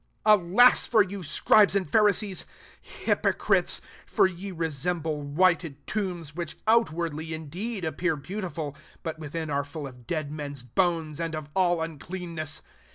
37 " Alas for you, scribes and Pharisees, hypocrites ! for ye resemble whited tombs, which outwardly indeed appear beau tiful, but within are full of dead men^a bones, and of all un cleanness.